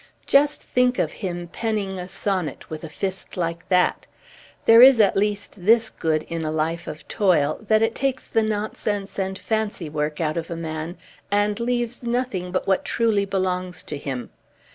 "Just think of him penning a sonnet with a fist like that! There is at least this good in a life of toil, that it takes the nonsense and fancy work out of a man, and leaves nothing but what truly belongs to him.